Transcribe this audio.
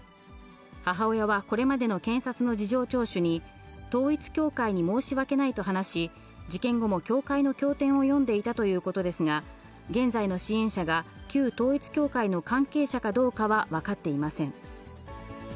母親はこれまでの検察の事情聴取に、統一教会に申し訳ないと話し、事件後も教会の教典を読んでいたということですが、現在の支援者が、旧統一教会の関係者かどうかは分かっていません。